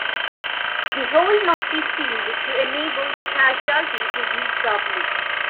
The hole must be sealed to enable the casualty to breathe properly.